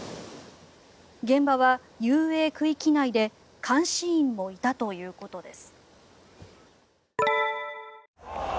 現場は遊泳区域内で監視員もいたということです。